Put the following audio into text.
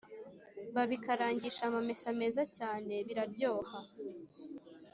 babikarangisha amamesa meza cyane biraryoha,